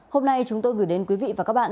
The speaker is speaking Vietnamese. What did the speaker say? hôm nay chúng tôi gửi đến quý vị và các bạn